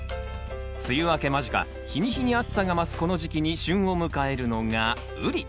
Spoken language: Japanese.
梅雨明け間近日に日に暑さが増すこの時期に旬を迎えるのがウリ。